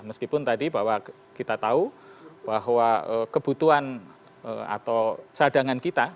meskipun tadi bahwa kita tahu bahwa kebutuhan atau cadangan kita